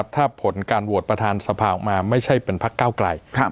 ถ้าผลการโหวตประธานสภาออกมาไม่ใช่เป็นพักเก้าไกล